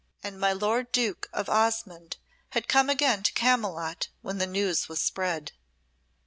And my Lord Duke of Osmonde had come again to Camylott when the news was spread.